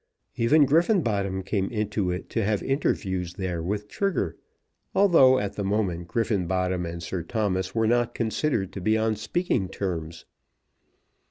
Even Griffenbottom came into it to have interviews there with Trigger, although at the moment Griffenbottom and Sir Thomas were not considered to be on speaking terms.